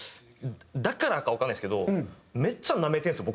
だからかわからないんですけどめっちゃなめてるんですよ